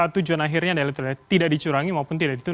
tujuan akhirnya adalah tidak dicurangi maupun tidak ditutup